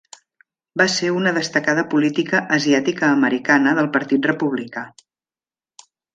Va ser una destacada política asiàtica-americana del partit republicà.